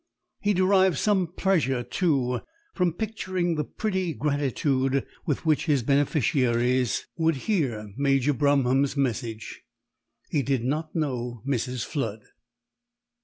He derived some pleasure, too, from picturing the pretty gratitude with which his beneficiaries would hear Major Bromham's message. He did not know Mrs. Flood.